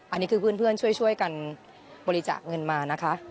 อันนี้คือเพื่อนช่วยกันบริจาคเงินมานะคะ